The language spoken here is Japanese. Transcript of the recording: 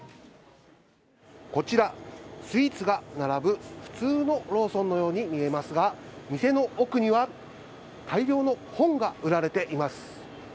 こちら、スイーツが並ぶ普通のローソンのように見えますが、店の奥には、大量の本が売られています。